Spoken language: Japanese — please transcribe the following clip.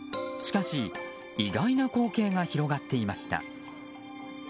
しかし、意外な光景が広がっていました。